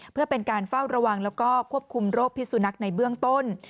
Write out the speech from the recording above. เพื่อเป็นการเฝ้าระวังแล้วก็ควบคุมโรคพิสุนักในเบื้องต้น